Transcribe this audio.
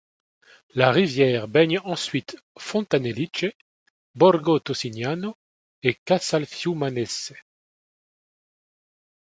La rivière baigne ensuite Fontanelice, Borgo Tossignano et Casalfiumanese.